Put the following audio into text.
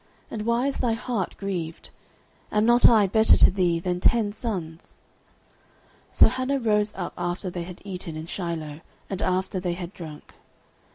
and why is thy heart grieved? am not I better to thee than ten sons? 09:001:009 So Hannah rose up after they had eaten in Shiloh, and after they had drunk.